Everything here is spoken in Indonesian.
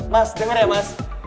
mas denger ya mas